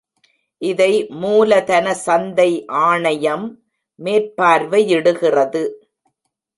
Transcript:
இதை மூலதன சந்தை ஆணையம் மேற்பார்வையிடுகிறது.